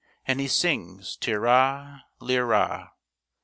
And he sings tir ra, lir ra.